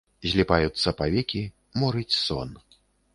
Зліпаюцца павекі, морыць сон.